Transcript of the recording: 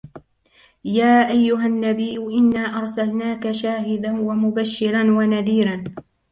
يَا أَيُّهَا النَّبِيُّ إِنَّا أَرْسَلْنَاكَ شَاهِدًا وَمُبَشِّرًا وَنَذِيرًا